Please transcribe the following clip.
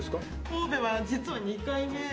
神戸は実は２回目で。